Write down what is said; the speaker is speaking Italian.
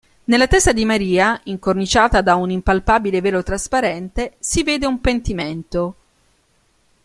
Nella testa di Maria, incorniciata da un impalpabile velo trasparente, si vede un pentimento.